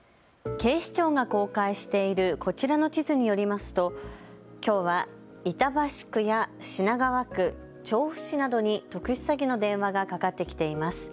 警視庁が公開しているこちらの地図によりますときょうは板橋区や品川区、調布市などに特殊詐欺の電話がかかってきています。